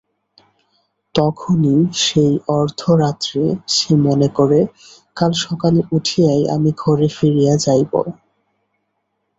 তখনই সেই অর্ধরাত্রে সে মনে করে, কাল সকালে উঠিয়াই আমি ঘরে ফিরিয়া যাইব।